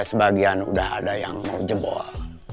sebagian sudah ada yang mau jebol